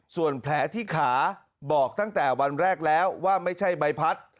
ส่วนแผลที่ขาบอกตั้งแต่วันแรกแล้วว่าไม่ใช่ใบพัด